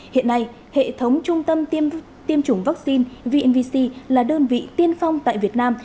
hiện nay hệ thống trung tâm tiêm chủng vaccine vnvc là đơn vị tiên phong tại việt nam